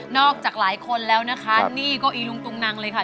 จากหลายคนแล้วนะคะนี่ก็อีลุงตุงนังเลยค่ะ